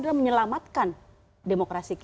dalam menyelamatkan demokrasi kita